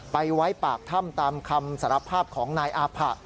ไว้ปากถ้ำตามคำสารภาพของนายอาผะ